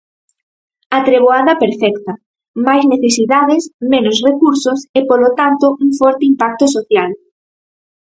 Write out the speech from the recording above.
A treboada perfecta: máis necesidades, menos recursos e, polo tanto, un forte impacto social.